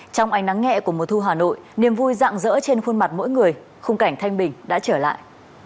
trong ánh nắng nghẹ của mùa thu hà nội niềm vui dạng dỡ trên khuôn mặt mỗi người khung cảnh thanh bình đã trở lại